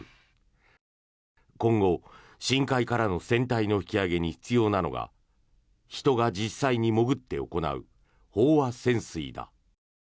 今後、深海からの船体の引き揚げに必要なのが人が実際に潜って行う飽和潜水だ。